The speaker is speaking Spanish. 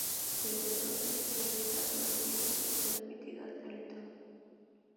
Desde entonces Televisa ha producido y transmitido el Teletón.